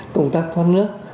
công tác thoát nước